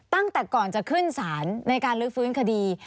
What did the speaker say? ตั้งแต่ก่อนจะขึ้นศาลในการฤทธิภูมิคดี